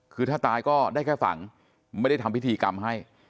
คือถ้าตายก็ได้แค่ฝังไม่ได้ทำพิธีกรรมให้